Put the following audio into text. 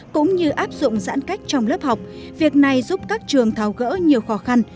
cũng như áp dụng giãn cách trong lớp học việc này giúp các trường thao gỡ nhiều khó khăn